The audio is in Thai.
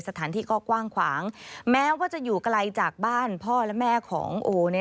สถานที่ก็กว้างขวางแม้ว่าจะอยู่ไกลจากบ้านพ่อและแม่ของโอเนี่ย